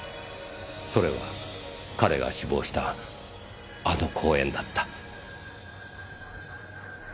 それは彼が死亡したあの公園だった。